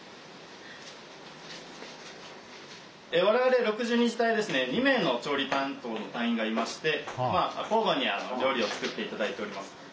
我々６２次隊ですね２名の調理担当の隊員がいまして交互に料理を作って頂いております。